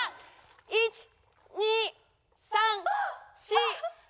１２３４５。